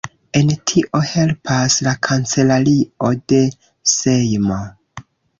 En tio helpas la kancelario de Sejmo.